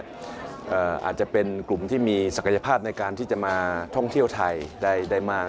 อาจจะเป็นกลุ่มที่มีศักยภาพในการที่จะมาท่องเที่ยวไทยได้มาก